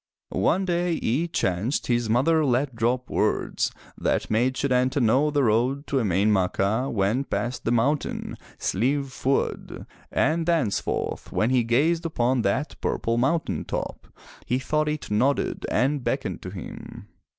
One day it chanced his mother let drop words that made Setanta know the road to Emain Macha went past the mountain, Slieve Fuad, and thenceforth when he gazed upon that purple mountain top, he thought it nodded and beckoned to him.